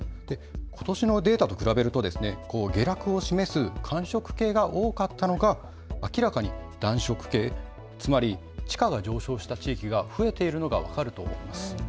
ことしのデータと比べると下落を示す寒色系が多かったのが明らかに暖色系、つまり地価が上昇した地域が増えているのが分かると思います。